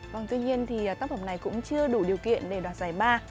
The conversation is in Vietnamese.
vâng tuy nhiên thì tác phẩm này cũng chưa đủ điều kiện để đoạt giải ba